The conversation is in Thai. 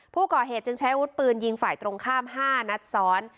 ผู้ก่อเหตุจึงใช้อาวุธปืนยิงฝ่ายตรงข้าม๕นัดซ้อน